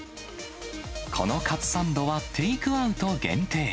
このカツサンドはテイクアウト限定。